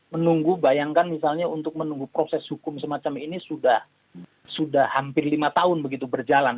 menunggu bayangkan misalnya untuk menunggu proses hukum semacam ini sudah hampir lima tahun begitu berjalan